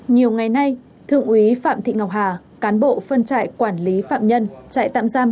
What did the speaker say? nhiều ngày nay thượng úy phạm thị ngọc hà cán bộ phân trại quản lý phạm nhân trại tạm giam